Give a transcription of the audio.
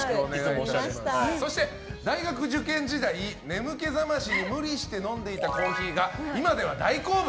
そして、大学受験時代眠気覚ましに無理して飲んでいたコーヒーが今では大好物。